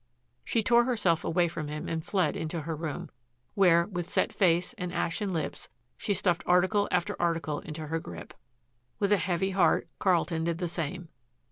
She tore herself away from him and fled into her room, where, with set face and ashen lips, she stuffed article after article into her grip. With a heavy heart Carlton did the same.